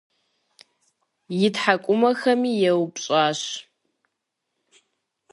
И тхьэкӏумэхэми еупщӏащ.